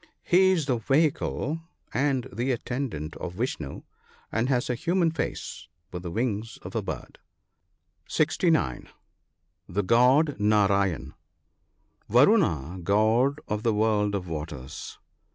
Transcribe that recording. — He is the vehicle and the attendant of Vishnoo, and has a human face with the wings of a bird. (69.) The god Narayen. — Varuna, god of the world of waters.